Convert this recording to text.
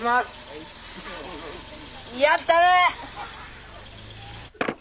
やったね！